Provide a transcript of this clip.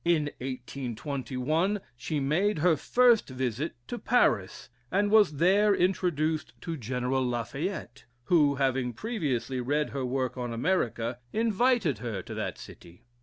In 1821, she made her first visit to Paris, and was there introduced to General Lafayette, who, having previously read her work on America, invited her to that city.